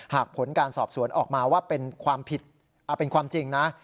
หากผลการสอบสวนออกมาว่าเป็นความจริงนะ